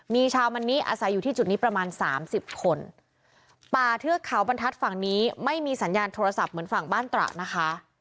มีชาวมันนิอาศัยอยู่ที่จุดนี้ประมาณสามสิบคนป่าเทือกเขาบรรทัศน์ฝั่งนี้ไม่มีสัญญาณโทรศัพท์เหมือนฝั่งบ้านตระนะคะ